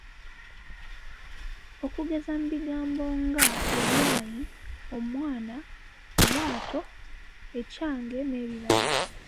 Okugeza mu bigambo nga; ebyayi, omwana, obwato, ekyange n’ebirala.